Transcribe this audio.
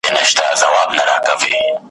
په یوه خېز د کوهي سرته سو پورته ,